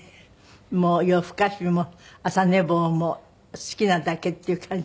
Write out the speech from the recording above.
もう夜更かしも朝寝坊も好きなだけっていう感じ？